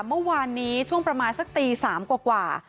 เมื่อวานนี้ช่วงประมาณสักตี๓กว่า